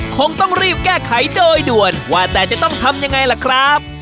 คงต้องรีบแก้ไขโดยด่วนว่าแต่จะต้องทำยังไงล่ะครับ